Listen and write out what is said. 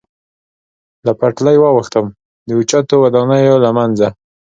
له پټلۍ واوښتم، د اوچتو ودانیو له منځه.